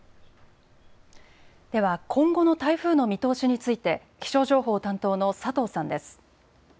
では今後の台風の見通しについて気象情報担当の佐藤さんです。